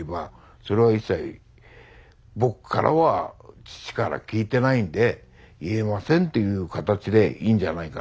それは一切僕からは父から聞いてないんで言えませんっていう形でいいんじゃないかなとは思うんで。